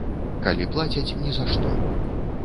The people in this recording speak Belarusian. Калі плацяць ні за што.